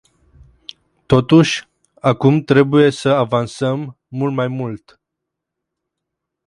Totuși, acum trebuie să avansăm mult mai mult.